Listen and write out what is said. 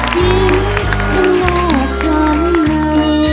หิ้นเขิงออกจากเงา